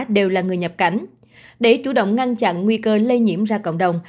đều là người nhập cảnh để chủ động ngăn chặn nguy cơ lây nhiễm ra cộng đồng